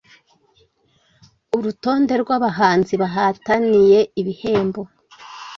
Urutonde rw'abahanzi bahataniye ibihembo